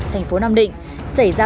thành phố nam định xảy ra